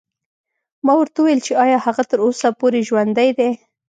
ما ورته وویل چې ایا هغه تر اوسه پورې ژوندی دی.